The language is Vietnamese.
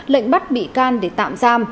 lệnh bắt bị can để tạm giam